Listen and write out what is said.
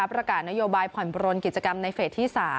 ประกาศนโยบายผ่อนปลนกิจกรรมในเฟสที่๓